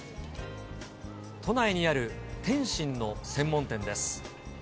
都内にある点心の専門店です。